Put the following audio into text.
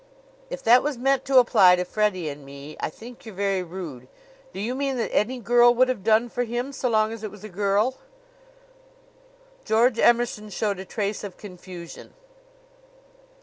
"If that was meant to apply to Freddie and me, I think you're very rude. Do you mean that any girl would have done for him, so long as it was a girl?" George Emerson showed a trace of confusion.